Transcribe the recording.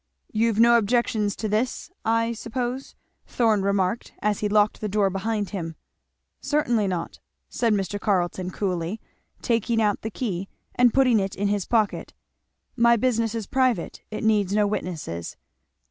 "You've no objections to this, I suppose?" Thorn remarked as he locked the door behind them. "Certainly not," said Mr. Carleton coolly, taking out the key and putting it in his pocket; "my business is private it needs no witnesses."